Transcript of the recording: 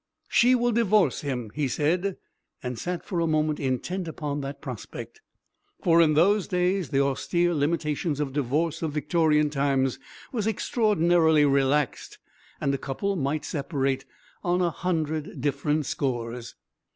"She will divorce him," he said, and sat for a moment intent upon that prospect. For in those days the austere limitations of divorce of Victorian times were extraordinarily relaxed, and a couple might separate on a hundred different scores.